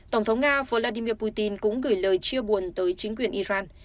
tổng thống nga vladimir putin cũng gửi lời chia buồn tới chính quyền iran